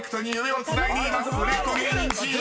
売れっ子芸人チーム］